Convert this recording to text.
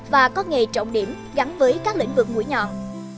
và có nghề trọng điểm gắn với các lĩnh vực mũi nhọn